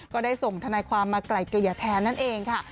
ก็ได้ส่งทนายความมาไกลเกลี่ยแทนนั่นเองค่ะ